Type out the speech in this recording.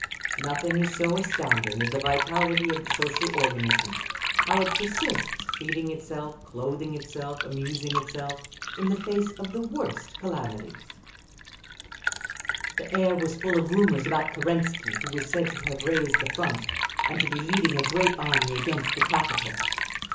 Nothing is so astounding as the vitality of the social organism—how it persists, feeding itself, clothing itself, amusing itself, in the face of the worst calamities…. The air was full of rumours about Kerensky, who was said to have raised the Front, and to be leading a great army against the capital.